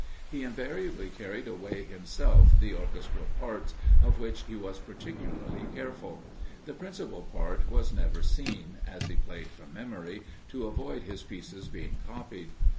He invariably carried away himself the orchestral parts, of which he was particularly careful. The principal part was never seen, as he played from memory, to avoid his pieces being copied.